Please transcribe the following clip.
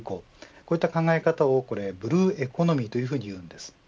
こういった考え方をブルーエコノミーといいます。